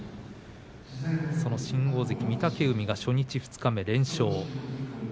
その新大関御嶽海が初日二日目、連勝。